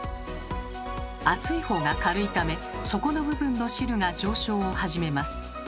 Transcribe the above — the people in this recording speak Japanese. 熱い方が軽いため底の部分の汁が上昇を始めます。